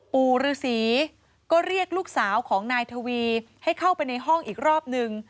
ปู่ฤษีก็เรียกลูกสาวของนายทวีให้เข้าไปในห้องอีกรอบนึง